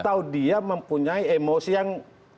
atau dia mempunyai emosi yang